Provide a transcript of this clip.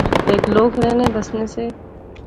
ہیک لوک رہنے بسنے سے